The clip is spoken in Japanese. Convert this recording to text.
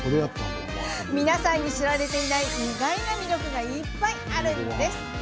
皆さんに知られていない意外な魅力がいっぱいあるんです。